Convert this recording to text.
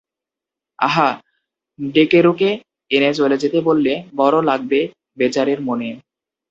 আহা, ডেকেড়ুকে এনে চলে যেতে বললে বড় লাগবে বেচারির মনে।